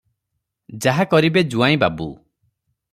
ଯାହା କରିବେ ଜୁଆଇଁ ବାବୁ ।